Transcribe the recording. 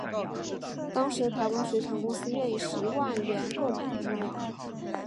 当时的台湾水产公司愿以十万元购买鱼苗。